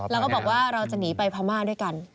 แล้วก็บอกว่าเราจะหนีไปพม่าด้วยกัน